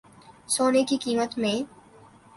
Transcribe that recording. سونے کی قیمت میں